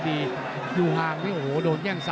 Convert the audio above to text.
มันต้องอย่างงี้มันต้องอย่างงี้